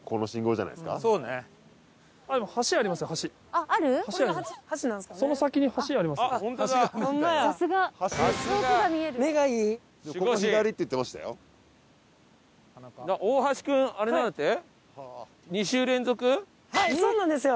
はいそうなんですよ。